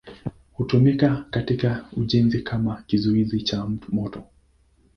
Hutumika katika ujenzi kama kizuizi cha moto.